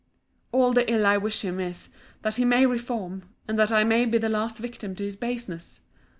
All the ill I wish him is, that he may reform; and that I may be the last victim to his baseness.